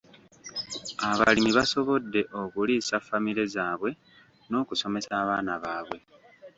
Abalimi basobodde okuliisa famire zaabwe n'okusomesa abaana baabwe.